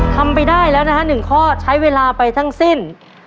ทำไปได้แล้วนะฮะ๑ข้อใช้เวลาไปทั้งสิ้น